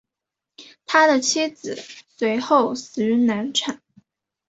他的妻子随后死于难产。